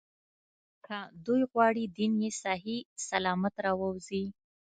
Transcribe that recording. که دوی غواړي دین یې صحیح سلامت راووځي.